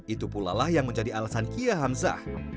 itu pula lah yang menjadi alasan kia hamzah